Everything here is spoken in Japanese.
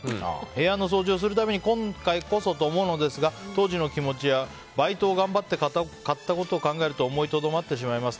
部屋の掃除をする度に今回こそと思うのですが当時の気持ちやバイトを頑張って買ったことを思うと思いとどまってしまいます。